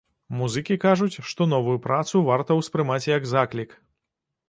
Музыкі кажуць, што новую працу варта ўспрымаць як заклік.